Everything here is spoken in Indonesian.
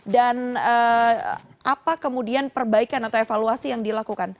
dan apa kemudian perbaikan atau evaluasi yang dilakukan